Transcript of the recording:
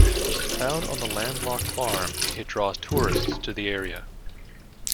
Found on a landlocked farm, it draws tourists to the area.